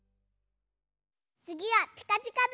つぎは「ピカピカブ！」。